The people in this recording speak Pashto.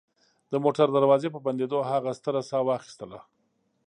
د موټر دروازې په بندېدو هغه ستره ساه واخیستله